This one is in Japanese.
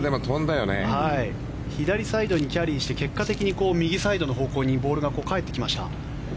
左サイドにキャリーして結果的に右サイドの方向にボールが帰ってきました。